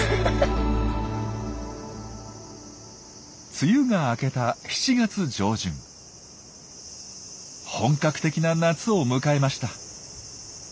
梅雨が明けた本格的な夏を迎えました。